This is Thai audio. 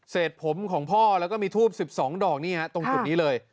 เศษผมของพ่อแล้วก็มีทูบ๑๒ดอกตรงขุมนี้เลย